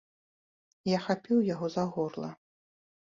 Я хапіў яго за горла.